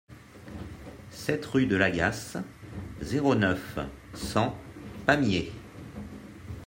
sept rue de l'Agasse, zéro neuf, cent, Pamiers